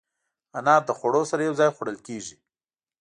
انار د خوړو سره یو ځای خوړل کېږي.